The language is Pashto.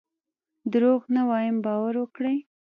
دروغ نه وایم باور وکړئ.